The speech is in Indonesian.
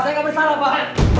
saya nggak bersalah pak